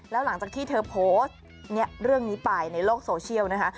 แล้วหลังจากที่เธอโพสต์เรื่องนี้ไปในโลกโซเชียลนะคะ